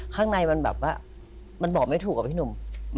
ข้างในมันแบบว่ามันบอกไม่ถูกอะพี่หนุ่ม